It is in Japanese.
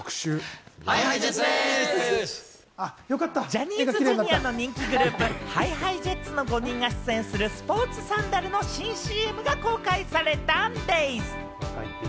ジャニーズＪｒ．の人気グループＨｉＨｉＪｅｔｓのスポーツサンダルのＣＭが公開されたんです。